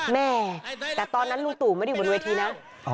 แม่แต่ตอนนั้นลุงตู่ไม่ได้อยู่บนเวทีนะ